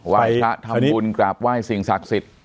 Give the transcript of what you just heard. ว่ายศาสตร์ทำบุญกราบว่ายสิ่งศักดิ์สิทธิ์